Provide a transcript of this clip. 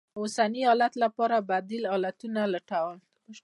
د اوسني حالت لپاره بدي ل حالتونه لټوي.